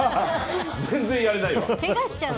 全然やれないわ！